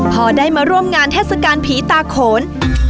พอได้มาร่วมงานเทศกาลผีตาโขน